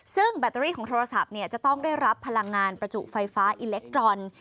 ซึ่งแบตเตอรี่ของโทรศัพท์จะต้องได้รับพลังงานประจุไฟฟ้าอิเล็กทรอนด์